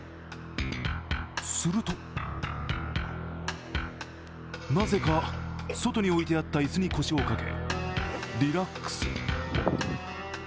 すると、なぜか外に置いてあった椅子に腰を掛けリラックス。